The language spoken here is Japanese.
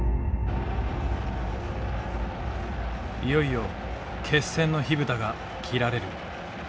いよいよ決戦の火蓋が切られる。